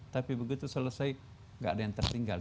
tapi begitu selesai nggak ada yang tertinggal